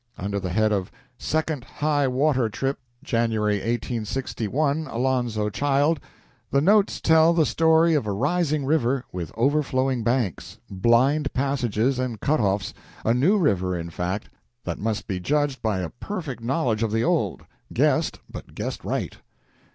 Under the head of "Second high water trip Jan., 1861 'Alonzo Child,'" the notes tell the story of a rising river, with overflowing banks, blind passages, and cut offs a new river, in fact, that must be judged by a perfect knowledge of the old guessed, but guessed right.